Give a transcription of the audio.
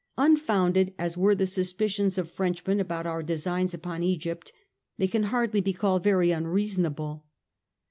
Unfounded as were the suspicions of Frenchmen about our designs upon Egypt, they can hardly be called very unreasonable.